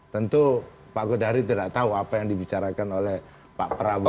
tentu pak godari tidak tahu apa yang dibicarakan oleh pak prabowo